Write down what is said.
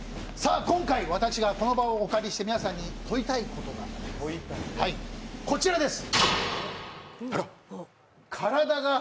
今回、私がこの場をお借りして皆さんに問いたいことはこちらです。